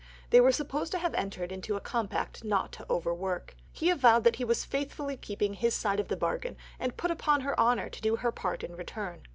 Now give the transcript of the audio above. They were supposed to have entered into a compact not to overwork. He avowed that he was faithfully keeping his side of the bargain, and put her upon her honour to do her part in return.